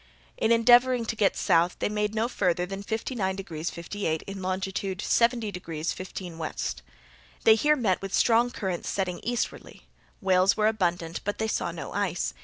In endeavouring to get south, they made no farther than 59 degrees 58', in longitude 70 degrees 15' W. They here met with strong currents setting eastwardly. Whales were abundant, but they saw no ice.